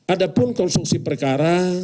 adapun konstruksi perkara